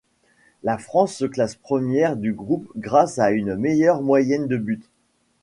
La France se classe première du groupe grâce à une meilleure moyenne de buts.